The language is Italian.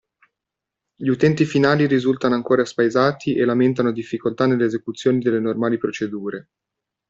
Gli utenti finali risultano ancora spaesati e lamentano difficoltà nell'esecuzione delle normali procedure.